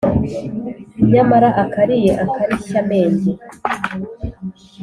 Nyamara akariye ikarishyamenge